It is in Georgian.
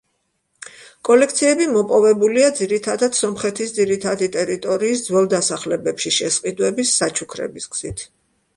კოლექციები მოპოვებულია, ძირითადად, სომხეთის ძირითადი ტერიტორიის ძველ დასახლებებში შესყიდვების, საჩუქრების გზით.